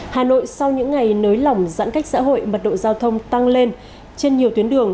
hà nội sau những ngày nới lỏng giãn cách xã hội mật độ giao thông tăng lên trên nhiều tuyến đường